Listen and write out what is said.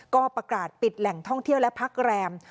ก็ประกาศปิดแหล่งท่องเที่ยวและพักแรม